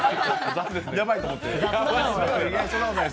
やばいと思って。